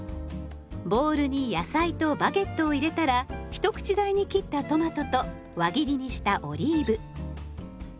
ボウルに野菜とバゲットを入れたら一口大に切ったトマトと輪切りにしたオリーブ。